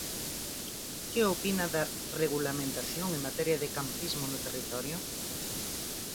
Que opina da regulamentación en materia de campismo no territorio?